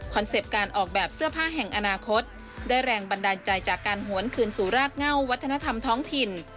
เป็ปต์การออกแบบเสื้อผ้าแห่งอนาคตได้แรงบันดาลใจจากการหวนคืนสู่รากเง่าวัฒนธรรมท้องถิ่น